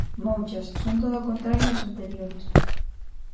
Mouchas: Son todo o contrario das anteriores.